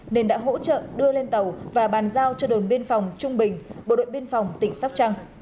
nên đã hỗ trợ đưa lên tàu và bàn giao cho đồn biên phòng trung bình bộ đội biên phòng tỉnh sóc trăng